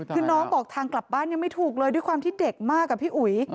คือน้องบอกทางกลับบ้านยังไม่ถูกเลยด้วยความที่เด็กมากอะพี่อุ๋ย